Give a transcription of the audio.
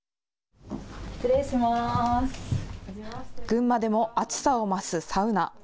群馬でも熱さを増すサウナ。